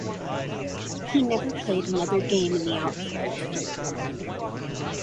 He never played another game in the outfield.